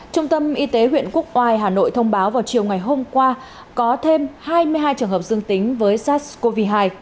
trung tâm y tế huyện quốc oai hà nội thông báo vào chiều ngày hôm qua có thêm hai mươi hai trường hợp dương tính với sars cov hai